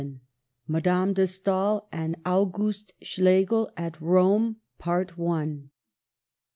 MADAME DE STAEL AND AUGUSTE SCHLEGEL AT ROME.